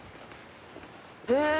へえ。